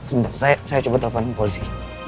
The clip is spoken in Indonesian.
sebentar saya coba telepon polisi